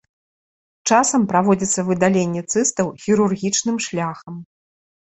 Часам праводзіцца выдаленне цыстаў хірургічным шляхам.